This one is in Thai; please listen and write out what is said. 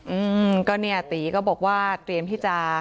อืมก็เนี่ยตีก็บอกว่าเตรียมที่จะ